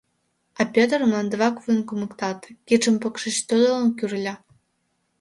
А Пӧтыр мландывак вуйын кумыкталте, кидшым покшеч тодылын кӱрльӧ.